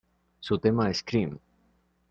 Su tema "Scream!